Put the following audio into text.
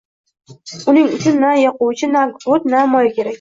Uning uchun na yoquvchi, na gugurt, na moy kerak